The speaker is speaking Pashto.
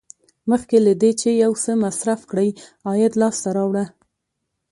مخکې له دې چې یو څه مصرف کړئ عاید لاسته راوړه.